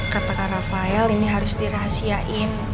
kata rafael ini harus dirahasiain